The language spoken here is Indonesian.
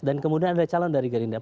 dan kemudian ada calon dari greenress